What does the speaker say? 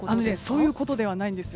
そういうことではないんです。